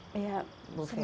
bu ferry kontribusikan